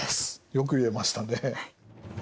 よく言えましたね。